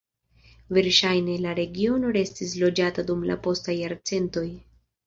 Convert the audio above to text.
Verŝajne la regiono restis loĝata dum la postaj jarcentoj.